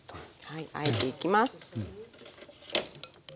はいあえていきます。